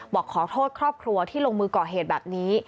บอกขอโทษครอบครัวที่ลงมือก่อเหตุแบบนี้